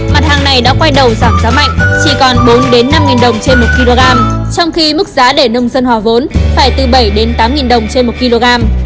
mặt hàng này đã quay đầu giảm giá mạnh chỉ còn bốn năm đồng trên một kg trong khi mức giá để nông dân hòa vốn phải từ bảy tám đồng trên một kg